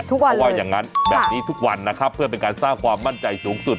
เพราะว่าอย่างนั้นแบบนี้ทุกวันนะครับเพื่อเป็นการสร้างความมั่นใจสูงสุด